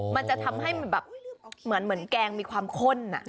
มันจะทำให้แบบเหมือนแกงมีความข้น